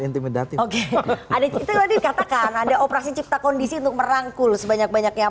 intimidatif oke ada kita katakan ada operasi cipta kondisi untuk merangkul sebanyak banyaknya